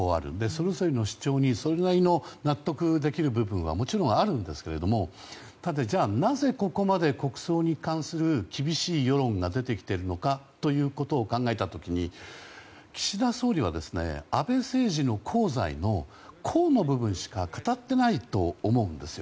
それぞれの主張にそれなりの納得できる部分はもちろんあるんですけどなぜここまで国葬に関する厳しい世論が出てきているのかということを考えた時に、岸田総理は安倍政治の功罪の功の部分しか語っていないと思うんです。